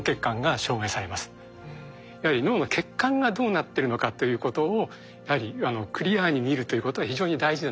やはり脳の血管がどうなってるのかということをやはりクリアに見るということは非常に大事じゃないかと。